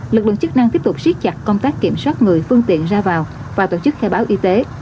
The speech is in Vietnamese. lực lượng chức năng tiếp tục siết chặt công tác kiểm soát người phương tiện ra vào và tổ chức khai báo y tế